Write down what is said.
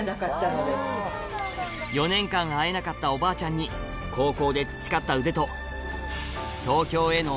４年間会えなかったおばあちゃんに高校で培った腕とよし。